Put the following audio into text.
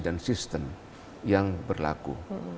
dan sistem yang berlaku